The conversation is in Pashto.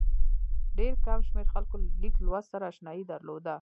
ډېر کم شمېر خلکو له لیک لوست سره اشنايي درلوده.